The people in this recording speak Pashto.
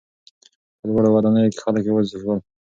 په لوړو ودانیو کې خلک یوازې سول.